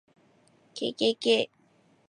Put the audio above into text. kkk